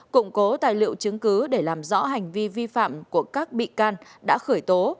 củng cố tài liệu chứng cứ để làm rõ hành vi vi phạm của các bị can đã khởi tố